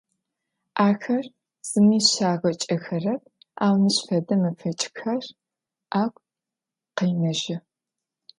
Ахэр зыми щагъакӏэхэрэп, ау мыщ фэдэ мэфэкӏхэр агу къенэжьы.